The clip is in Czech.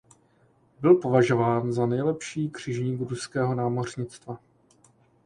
Byl považován za nejlepší křižník ruského námořnictva.